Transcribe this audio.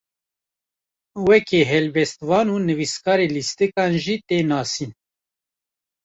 Weke helbestvan û nivîskarê lîstikan jî tê nasîn.